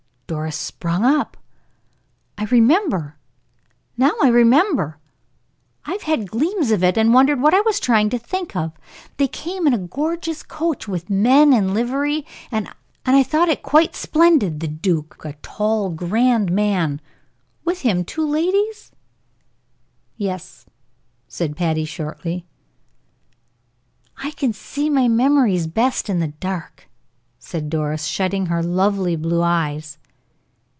Doris sprung up. "I remember now I remember! I've had gleams of it, and wondered what I was trying to think of. They came in a gorgeous coach, with men in livery that I thought quite splendid; the duke, a tall, grand man, and with him two ladies?" "Yes," said Patty, shortly. "I can see my memories best in the dark," said Doris, shutting her lovely blue eyes.